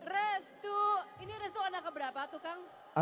restu ini restu anak keberapa tukang